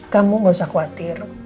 kamu nggak usah khawatir